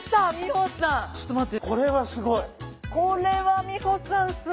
ちょっと待って。